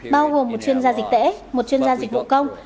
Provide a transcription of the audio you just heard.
bao gồm một chuyên gia dịch tễ một chuyên gia dịch vụ công